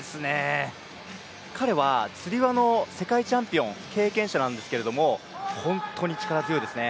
彼はつり輪の世界チャンピオン経験者なんですけど本当に力強いですね。